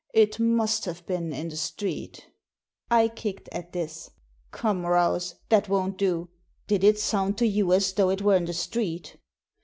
It must have been in the street" I kicked at this. Come, Rouse, that won't do. Did it sound to you as though it were in the street?"